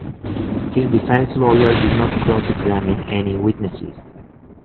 His defense lawyer did not cross-examine any witnesses.